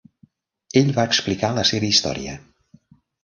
Ell va explicar la seva història.